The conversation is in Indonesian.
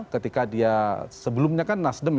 ketika dia sebelumnya kan nasdem